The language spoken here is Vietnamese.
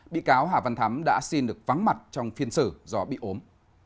bị cáo hà văn thắm đã xin được vắng mặt trong phiên xử do bị ốm